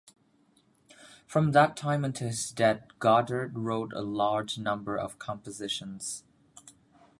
From that time until his death Godard wrote a large number of compositions.